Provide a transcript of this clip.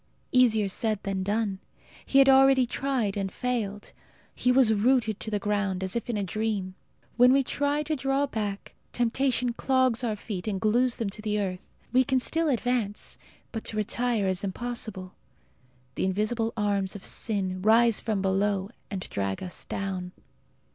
Easier said than done. He had already tried and failed. He was rooted to the ground, as if in a dream. When we try to draw back, temptation clogs our feet and glues them to the earth. We can still advance, but to retire is impossible. The invisible arms of sin rise from below and drag us down.